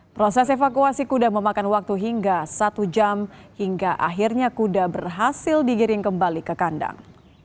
proses evakuasi kuda memakan waktu hingga satu jam hingga akhirnya kuda berhasil digiring kembali ke kandang